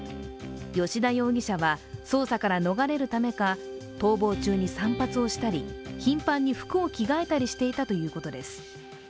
葭田容疑者は捜査から逃れるためか逃亡中に散髪をしたり、頻繁に服を着替えたりしていたということです。